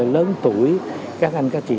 lớn tuổi các anh các chị